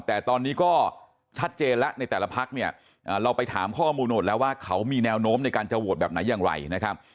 แต่ตอนนี้ก็ชัดเจนแล้วในแต่ละพักเนี่ยเราไปถามข้อมูลหมดแล้วว่าเขามีแนวโน้มในการจะโหวตแบบไหนอย่างไรนะครับ